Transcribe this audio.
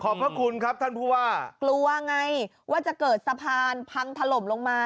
พระคุณครับท่านผู้ว่ากลัวไงว่าจะเกิดสะพานพังถล่มลงมา